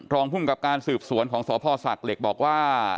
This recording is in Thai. รองพุ่งกับการสืบสวนของสพศเหล็กบอกว่า